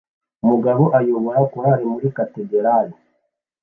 Umugabo ayobora korari muri katedrali